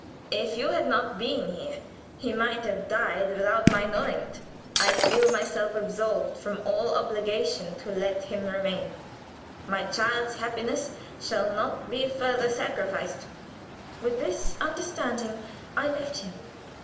If you had not been here he might have died without my knowing it. I feel myself absolved from all obligation to let him remain. My child's happiness shall not be further sacrificed." With this understanding I left him.